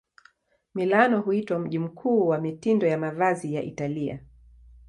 Milano huitwa mji mkuu wa mitindo ya mavazi ya Italia.